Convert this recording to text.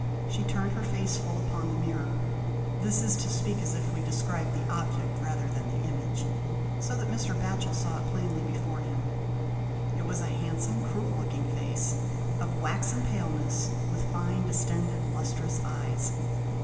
She turned her face full upon the mirror — this is to speak as if we described the object rather than the image — so that Mr. Batchel saw it plainly before him ; it was a handsome, cruel looking face, of waxen paleness, with fine, distended, lustrous, eyes.